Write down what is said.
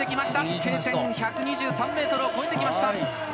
Ｋ点１２３ｍを越えてきました。